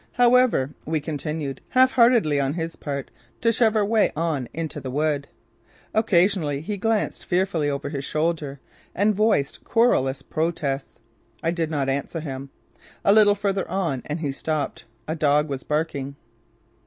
However, we continued, half heartedly on his part, to shove our way on into the wood. Occasionally he glanced fearfully over his shoulder and voiced querulous protests. I did not answer him. A little further on and he stopped. A dog was barking.